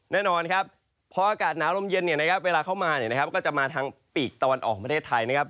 แน่นอนครับพออากาศหนาวลมเย็นเนี่ยนะครับเวลาเข้ามาก็จะมาทางปีกตะวันออกของประเทศไทยนะครับ